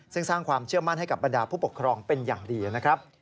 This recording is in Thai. ซึ่งสร้างความเชื่อมั่นให้กับบรรดาผู้ปกครองเป็นอย่างดีนะครับ